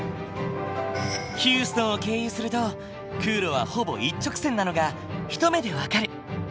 ヒューストンを経由すると空路はほぼ一直線なのが一目で分かる。